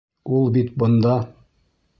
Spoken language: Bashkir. Ул бит бында!